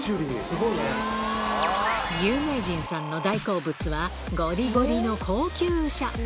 有名人さんの大好物はごりごりの高級車